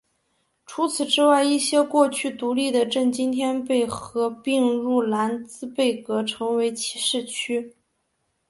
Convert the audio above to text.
除此之外一些过去独立的镇今天被合并入兰茨贝格成为其市区。